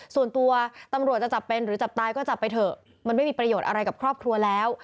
ส่วนตัวตำรวจจะจับเป็นหรือจับตายก็จับไปเถอะมันไม่มีประโยชน์อะไรกับครอบครัวแล้ว